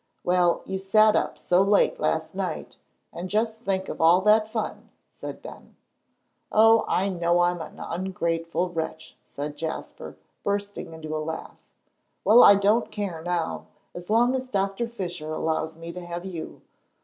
"Well, you sat up so late last night; and just think of all that fun!" said Ben. "Oh, I know I'm an ungrateful wretch," said Jasper, bursting into a laugh. "Well, I don't care now, as long as Doctor Fisher allows me to have you.